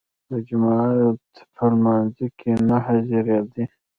په جماعت په لمانځه کې نه حاضرېدی.